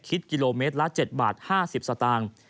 คิดกิโลเมตรละ๗บาท๕๐สตางค์